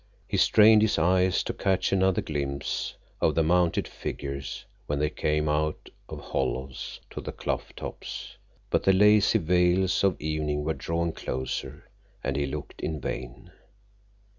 He strained his eyes to catch another glimpse of the mounted figures when they came up out of hollows to the clough tops, but the lacy veils of evening were drawing closer, and he looked in vain.